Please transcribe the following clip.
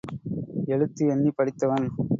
எழுத்து எண்ணிப் படித்தவன்.